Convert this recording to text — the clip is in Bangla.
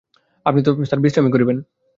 আপনি তো স্যার বিশ্রামই করবেন।